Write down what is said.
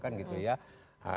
kan gitu ya